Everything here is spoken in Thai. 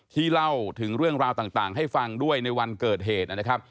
เล่าถึงเรื่องราวต่างให้ฟังด้วยในวันเกิดเหตุนะครับ